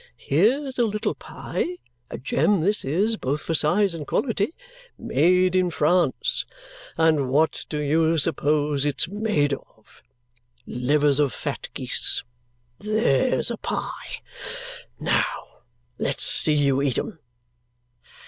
Here's a little pie (a gem this is, both for size and quality), made in France. And what do you suppose it's made of? Livers of fat geese. There's a pie! Now let's see you eat 'em."